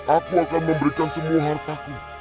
aku akan memberikan semua hartaku